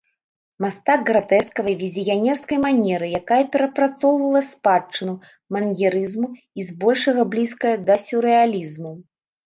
Мастак гратэскавай візіянерскай манеры, якая перапрацоўвала спадчыну маньерызму і збольшага блізкая да сюррэалізму.